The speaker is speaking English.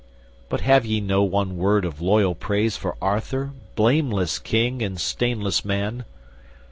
But have ye no one word of loyal praise For Arthur, blameless King and stainless man?"